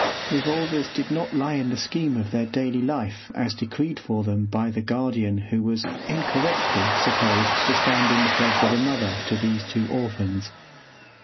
Revolvers did not lie in the scheme of their daily life as decreed for them by the guardian who was incorrectly supposed to stand in the place of a mother to these two orphans.